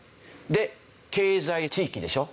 で経済地域でしょ。